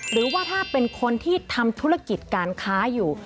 หรือว่าถ้าเป็นคนที่ทำธุรกิจการค้าอยู่